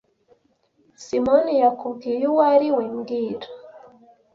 Simoni yakubwiye uwo ari we mbwira